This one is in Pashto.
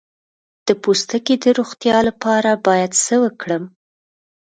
د پوستکي د روغتیا لپاره باید څه وکړم؟